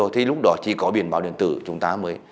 thì lúc đó chỉ có biên bảo điện tử chúng ta mới